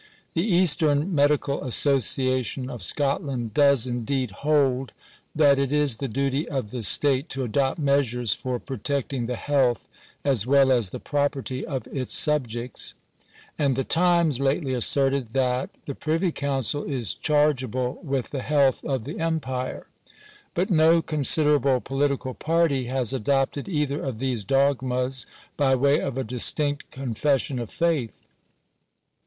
The Eastern Medical Association of Scotland does indeed hold " that it is the duty of the state to adopt measures for protecting the health as well as the property of its sub jects ;" and the Times lately asserted that " the Privy Council is chargeable with the health of the Empire;"* but no con siderable political party has adopted either of these dogmas by way of a distinct confession of faith.